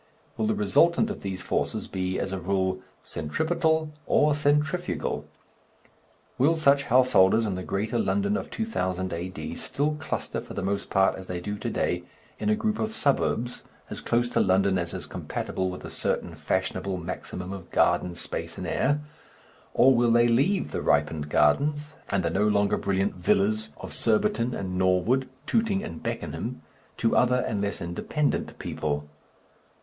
Will the resultant of these forces be, as a rule, centripetal or centrifugal? Will such householders in the greater London of 2000 A.D. still cluster for the most part, as they do to day, in a group of suburbs as close to London as is compatible with a certain fashionable maximum of garden space and air; or will they leave the ripened gardens and the no longer brilliant villas of Surbiton and Norwood, Tooting and Beckenham, to other and less independent people?